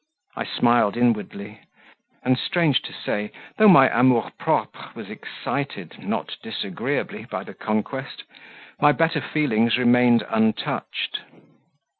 I smiled inwardly; and strange to say, though my AMOUR PROPRE was excited not disagreeably by the conquest, my better feelings remained untouched.